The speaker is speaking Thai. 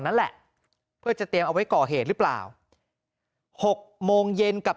นั่นแหละเพื่อจะเตรียมเอาไว้ก่อเหตุหรือเปล่า๖โมงเย็นกับ